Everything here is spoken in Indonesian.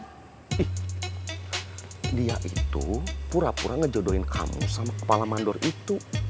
dia itu pura pura ngejodohin kamu sama kepala mandor itu